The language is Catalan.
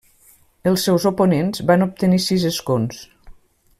Els seus oponents van obtenir sis escons.